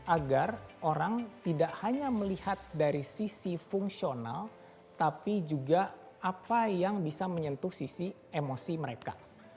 agar orang tidak hanya melihat dari sisi fungsional tapi juga apa yang bisa menyentuh sisi emosi mereka